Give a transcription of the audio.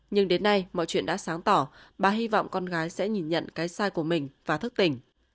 nhưng đến nay mọi chuyện đã sáng tỏ bà hy vọng con gái sẽ nhìn nhận cái sai của mình và thức tỉnh